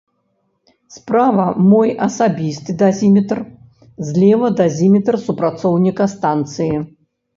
Справа мой асабісты дазіметр, злева дазіметр супрацоўніка станцыі.